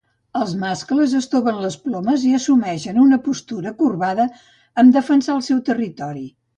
Els mascles estoven les plomes i assumeixen una postura corbada en defensar el seu territori.